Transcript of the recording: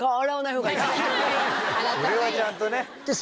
それはちゃんとね。